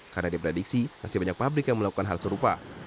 karena diprediksi masih banyak pabrik yang melakukan hal serupa